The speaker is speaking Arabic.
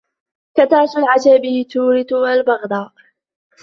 كثرة العتاب تورث البغضاء